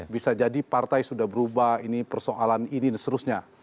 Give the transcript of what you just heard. bisa jadi partai sudah berubah ini persoalan ini dan seterusnya